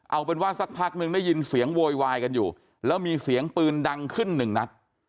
เอาเป็นว่าสักพักนึงได้ยินเสียงโวยวายกันอยู่แล้วมีเสียงปืนดังขึ้นหนึ่งนัด